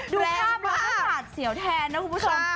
ดูภาพเราต้องผ่านเสี่ยวแทนนะคุณผู้ชม